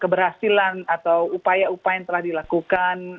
keberhasilan atau upaya upaya yang telah dilakukan